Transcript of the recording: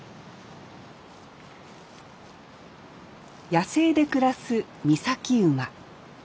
野生で暮らす岬馬。